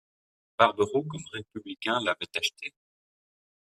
Barberou, comme républicain l'avait acheté.